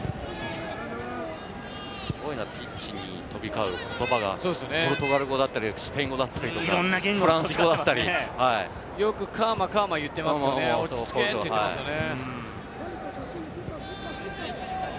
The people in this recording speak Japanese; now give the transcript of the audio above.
すごいなピッチに飛び交う言葉がポルトガル語だったり、スペイン語だったりフランス語だったり、よくカーマ、カーマ言ってますよね、落ち着けってことですよね。